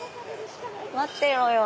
待ってろよ。